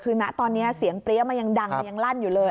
คือนะตอนนี้เสียงเปรี้ยมันยังดังยังลั่นอยู่เลย